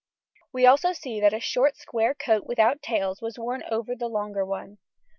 We also see that a short square coat without tails was worn over the longer one.